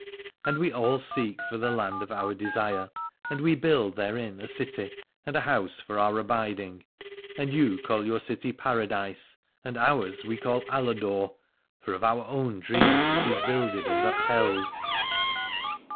And we all seek for the land of our desire, and we build therein a city and a house for our abiding. And you call your city Paradise, and ours we call Aladore, for of our own dreams it is builded and upheld.